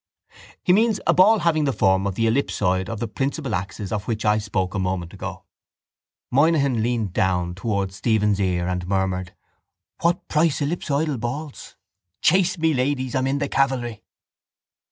—He means a ball having the form of the ellipsoid of the principal axes of which I spoke a moment ago. Moynihan leaned down towards Stephen's ear and murmured: —What price ellipsoidal balls! chase me, ladies, I'm in the cavalry!